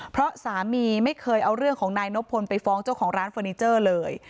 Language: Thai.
เพราะสามีไม่เคยเอาเรื่องของนายนบพลไปฟ้องเจ้าของร้านเฟอร์นิเจอร์เลย